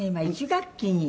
１学期に」